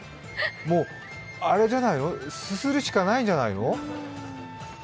あれじゃないの、すするしかないんじゃないの？